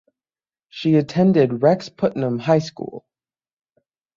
She attended Rex Putnam High School.